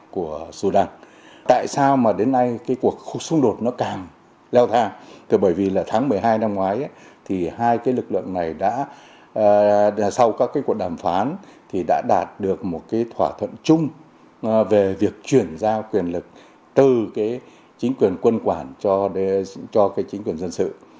quân đội sudan đã đạt được một thỏa thuận chung về việc chuyển giao quyền lực từ chính quyền quân quản cho chính quyền dân sự